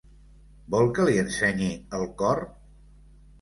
Vol que li ensenyi el cor?